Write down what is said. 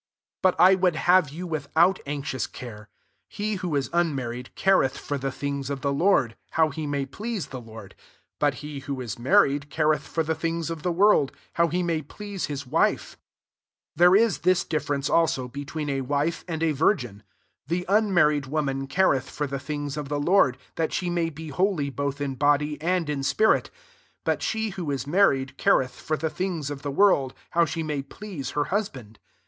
32 But I would have you without anxious care.^ He who is unmarried, careth for the things of the Lord, how he may please the Lord: 33 but he who is married, eareth for the things of the world, how he may please hia wife. 34 There is (hia difference alao between a wife and a vir gin: The unmarried woman careth for the things of the Lord, that she may be holy both in body and in spirit : but she who is married, careth for the things of the world, how she may please her husband.